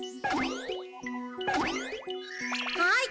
はい。